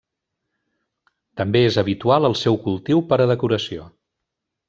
També és habitual el seu cultiu per a decoració.